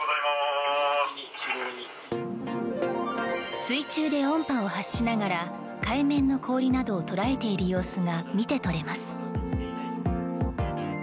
水中で音波を発しながら海面の氷などを捉えている様子が見て取れます。